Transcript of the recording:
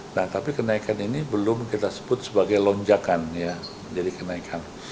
nah tapi kenaikan ini belum kita sebut sebagai lonjakan ya menjadi kenaikan